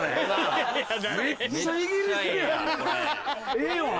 ええよな？